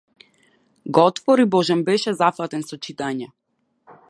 Го отвори, божем беше зафатен со читање.